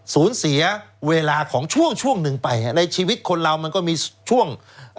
สูญเสียเวลาของช่วงช่วงหนึ่งไปในชีวิตคนเรามันก็มีช่วง